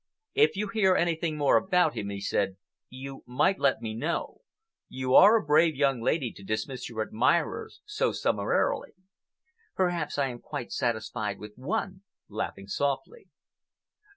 "If you hear anything more about him," he said, "you might let me know. You are a brave young lady to dismiss your admirers so summarily." "Perhaps I am quite satisfied with one," laughing softly.